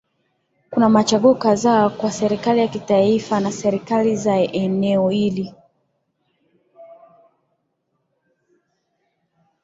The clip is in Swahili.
Kuna machaguo kadhaa kwa serikali ya kitaifa na serikali za eneo ili